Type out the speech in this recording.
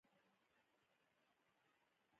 زما موبایل سامسونګ دی.